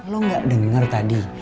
lo nggak denger tadi